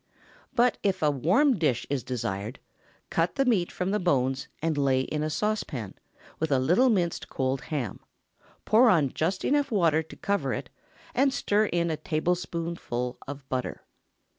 But if a warm dish is desired, cut the meat from the bones and lay in a saucepan, with a little minced cold ham; pour on just enough water to cover it, and stir in a tablespoonful of butter.